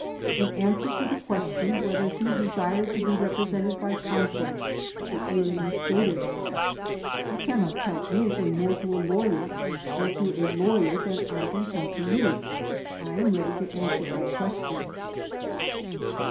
In answer to the question whether he de sired to be represented by counsel the alien stated: "I cannot tell anything more to a lawyer or through a lawyer than I can tell to you. I am ready to answer all ques tions."